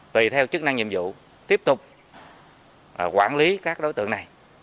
tùy theo chức năng nhiệm vụ tiếp tục quản lý các đối tượng này